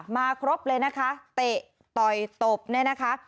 ครบเลยนะคะเตะต่อยตบเนี่ยนะคะ